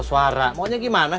ibu guru siapa